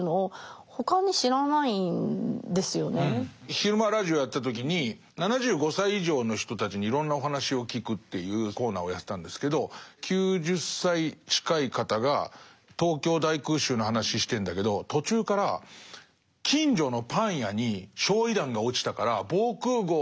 昼間ラジオやってた時に７５歳以上の人たちにいろんなお話を聞くっていうコーナーをやってたんですけど９０歳近い方が東京大空襲の話してんだけど途中からっていう話をずっとしてるのね。